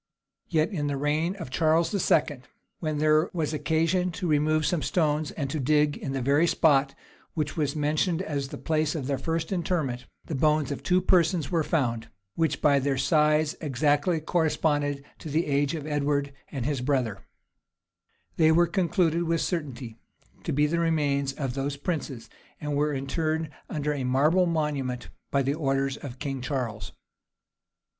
Yet in the reign of Charles II., when there was occasion to remove some stones and to dig in the very spot which was mentioned as the place of their first interment, the bones of two persons were there found, which by their size exactly corresponded to the age of Edward and his brother: they were concluded with certainty to be the remains of those princes, and were interred under a marble monument by orders of King Charles.